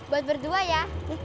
buat berdua ya